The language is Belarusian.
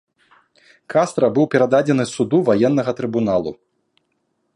Кастра быў перададзены суду ваеннага трыбуналу.